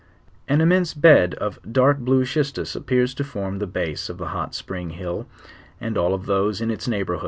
An immense bed 'of dark blue sciiittus appears to forriK the base of the lu. t spiin^ lull, and of all those in its neighbor